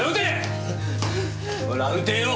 ほら撃てよ。